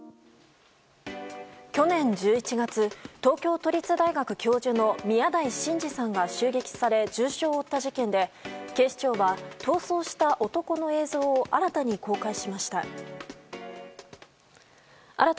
去年１１月東京都立大学教授の宮台真司さんが襲撃され重傷を負った事件で警視庁は逃走した男の映像を新たに公開しました。